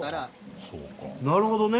なるほどね。